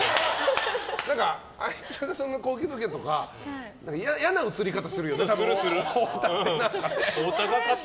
何かあいつは高級時計とかは嫌な映り方するよね、太田って。